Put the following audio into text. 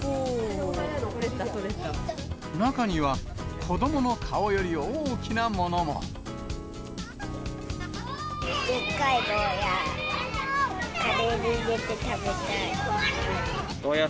中には子どもの顔より大きなものでっかいゴーヤ。